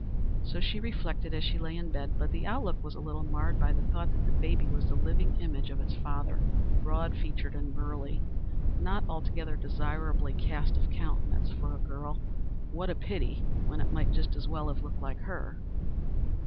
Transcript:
So she reflected as she lay in bed, but the outlook was a little marred by the thought that the baby was the living image of its father broad featured and burly not altogether desirable cast of countenance for a girl. What a pity, when it might just as well have looked like her.